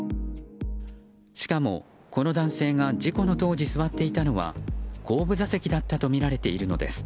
しかも、この男性が事故当時、座っていたのは後部座席だったとみられているのです。